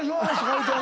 言うて。